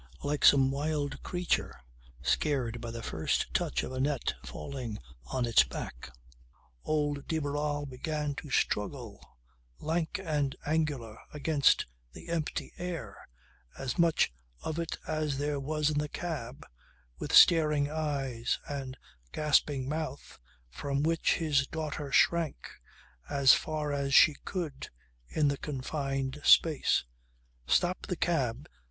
Like some wild creature scared by the first touch of a net falling on its back, old de Barral began to struggle, lank and angular, against the empty air as much of it as there was in the cab with staring eyes and gasping mouth from which his daughter shrank as far as she could in the confined space. "Stop the cab.